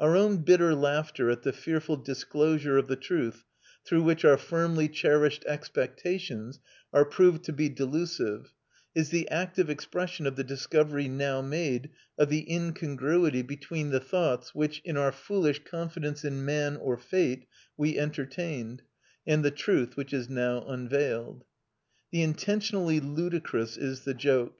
Our own bitter laughter at the fearful disclosure of the truth through which our firmly cherished expectations are proved to be delusive is the active expression of the discovery now made of the incongruity between the thoughts which, in our foolish confidence in man or fate, we entertained, and the truth which is now unveiled. The intentionally ludicrous is the joke.